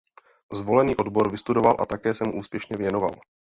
Zvolený odbor vystudoval a také se mu úspěšně věnoval.